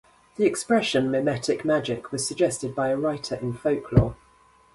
The expression "mimetic magic" was suggested by a writer in Folklore.